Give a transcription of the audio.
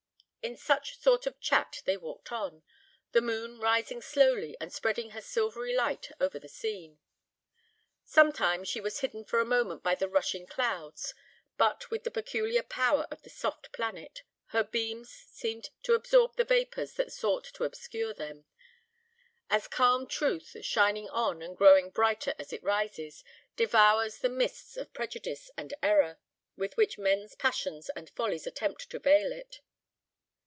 In such sort of chat they walked on, the moon rising slowly, and spreading her silvery light over the scene. Sometimes she was hidden for a moment by the rushing clouds; but, with the peculiar power of the soft planet, her beams seemed to absorb the vapours that sought to obscure them; as calm truth, shining on and growing brighter as it rises, devours the mists of prejudice and error, with which men's passions and follies attempt to veil it.